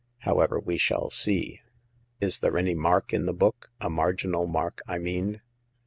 However, we shall see. Is there any mark in the book — a marginal mark, I mean